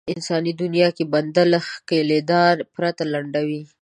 انساني دنيا کې بنده له ښکېلېدا پرته لنډوي.